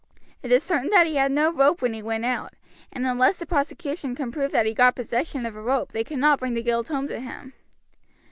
It is certain he had no rope when he went out, and unless the prosecution can prove that he got possession of a rope they cannot bring the guilt home to him."